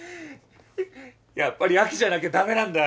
やっぱり亜紀じゃなきゃ駄目なんだよ。